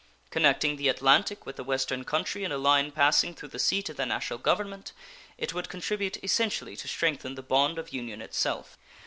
Connecting the Atlantic with the Western country in a line passing through the seat of the National Government, it would contribute essentially to strengthen the bond of union itself.